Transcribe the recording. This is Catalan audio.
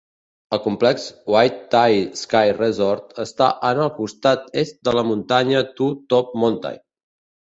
El complex Whitetail Ski Resort està en el costat est de la muntanya Two Top Mountain.